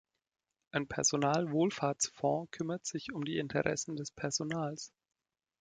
Ein Personalwohlfahrtsfonds kümmert sich um die Interessen des Personals.